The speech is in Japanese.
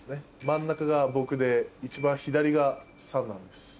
真ん中が僕で一番左が三男です。